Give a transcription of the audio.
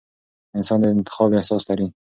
انسان د انتخاب احساس لري.